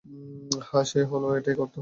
হ্যাঁ, সে হলে এটাই করত।